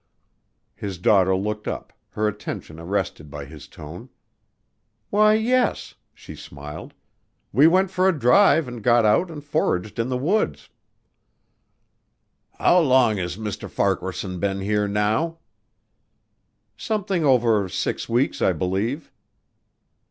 His daughter looked up, her attention arrested by his tone. "Why, yes," she smiled. "We went for a drive and got out and foraged in the woods." "How long has Mr. Farquaharson been here now?" "Something over six weeks, I believe."